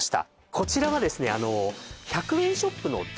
こちらがですね